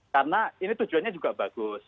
karena ini tujuannya juga bagus